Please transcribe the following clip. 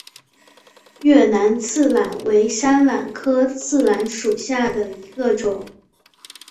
越南刺榄为山榄科刺榄属下的一个种。